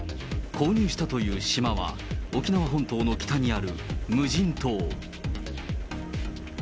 購入したという島は、沖縄本島の北にある無人島。